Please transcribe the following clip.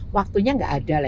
waktunya gak ada lah